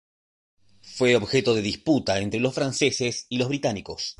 Fue objeto de disputa entre los franceses y los británicos.